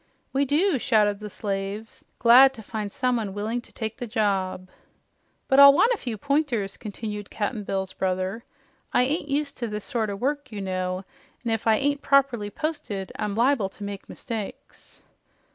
"We do!" shouted the slaves, glad to find someone willing to take the job. "But I'll want a few pointers," continued Cap'n Bill's brother. "I ain't used to this sort o' work, you know, an' if I ain't properly posted I'm liable to make mistakes."